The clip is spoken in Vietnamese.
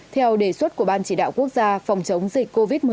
theo đề xuất của ban chỉ đạo quốc gia phòng chống dịch covid một mươi chín